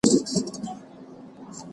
که فرضیه وي نو تحقیق نه ودریږي.